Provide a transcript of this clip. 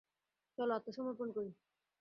চল আত্মসমর্পণ করি।